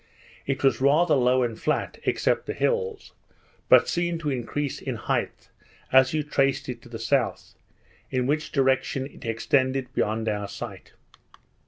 It was rather low and flat (except the hills), but seemed to increase in height, as you traced it to the south; in which direction it extended beyond our sight.